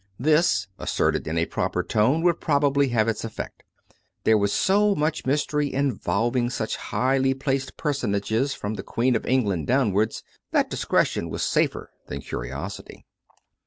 This, asserted in a proper tone, would probably have its effect. There was so much mys tery, involving such highly placed personages from the Queen of England downwards, that discretion was safer than curiosity.